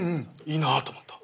いいなと思った。